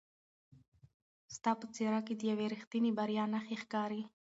ستا په څېره کې د یوې رښتینې بریا نښې ښکاري.